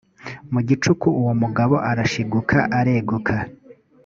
mu gicuku uwo mugabo arashiguka areguka